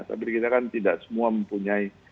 tapi kita kan tidak semua mempunyai